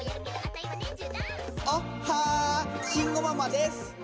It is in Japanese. おっはー慎吾ママです！